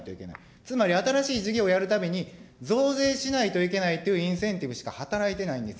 つまり新しい事業をやるために、増税しないといけないというインセンティブしか働いてないんですよ。